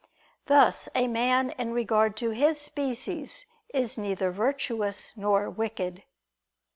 Thus a man in regard to his species is neither virtuous nor wicked.